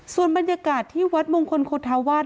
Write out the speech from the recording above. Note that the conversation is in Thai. ส่วนบรรยากาศที่วัดมงคลโคธาวาส